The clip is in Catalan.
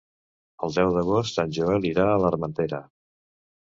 El deu d'agost en Joel irà a l'Armentera.